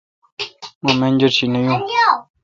مہ منجر شی نہ یون